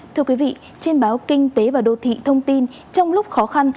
thưa quý vị trên báo kinh tế và đô thị thông tin trong lúc khó khăn